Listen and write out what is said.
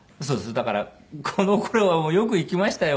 だからこの頃はよく行きましたよ。